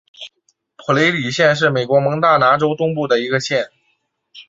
普雷里县是美国蒙大拿州东部的一个县。